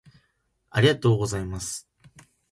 ありがとうございます。